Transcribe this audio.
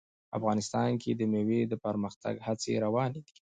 افغانستان کې د مېوې د پرمختګ هڅې روانې دي.